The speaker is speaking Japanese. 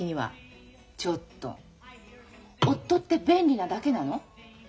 ちょっと夫って便利なだけなの？